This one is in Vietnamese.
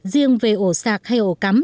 riêng về ổ sạc hay ổ cắm